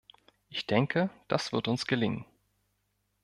Ich denke, das wird uns gelingen.